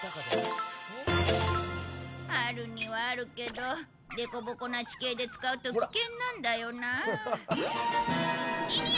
あるにはあるけど凸凹な地形で使うと危険なんだよな。